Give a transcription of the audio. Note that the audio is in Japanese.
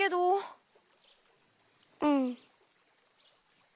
うん。